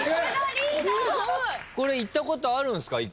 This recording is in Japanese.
これ行ったことあるんすか？